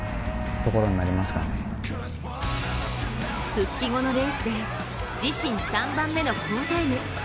復帰後のレースで自身３番目の好タイム。